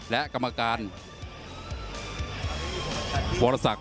และกำลังทรัพย์